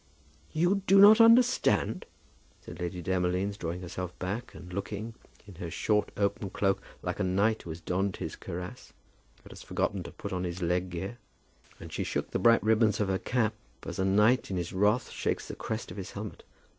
"You do not understand!" said Lady Demolines, drawing herself back, and looking, in her short open cloak, like a knight who has donned his cuirass, but has forgotten to put on his leg gear. And she shook the bright ribbons of her cap, as a knight in his wrath shakes the crest of his helmet.